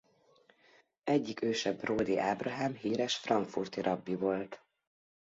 Egyik őse Bródy Ábrahám híres frankfurti rabbi volt.